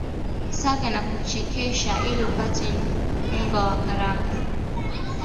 saga na kuchekecha ili upate unga wa karanga